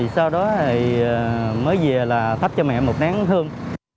sau đó mới về là thắp cho mẹ một nén hương